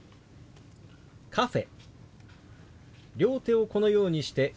「カフェ」。